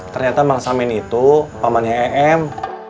ternyata bang samin itu pamannya em